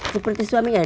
seperti suaminya doh